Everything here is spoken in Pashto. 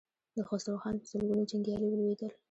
د خسرو خان په سلګونو جنګيالي ولوېدل.